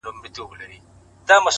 هره هڅه د راتلونکي بنسټ ږدي!